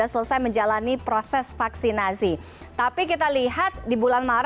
selamat malam sehat alhamdulillah